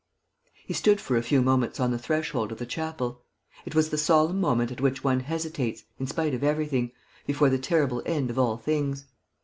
He stood for a few moments on the threshold of the chapel. It was the solemn moment at which one hesitates, in spite of everything, before the terrible end of all things.